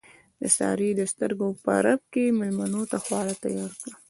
سارې د سترګو په رپ کې مېلمنو ته خواړه تیار کړل.